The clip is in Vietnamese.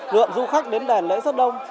lượng du khách đến đèn lễ rất đông